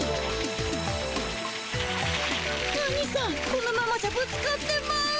アニさんこのままじゃぶつかってまう。